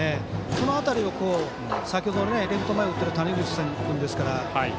その辺りを、先ほどレフト前打っている谷口君ですから。